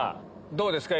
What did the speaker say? どうですか？